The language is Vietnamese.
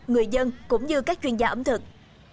người dân cũng như các chuyên gia ẩm thực